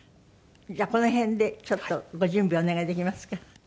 じゃあこの辺でちょっとご準備お願いできますか？